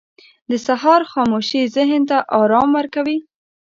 • د سهار خاموشي ذهن ته آرام ورکوي.